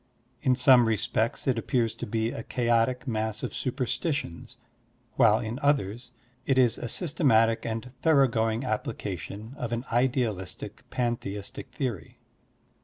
In some respects it appears to be a chaotic mass of superstitions, while in others it is a systematic and thorough going application of an idealistic pantheistic theory.